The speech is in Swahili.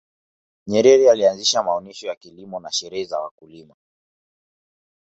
nyerere alianzisha maonesho ya kilimo na sherehe za wakulima